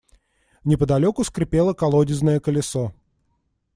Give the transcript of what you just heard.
Неподалеку скрипело колодезное колесо.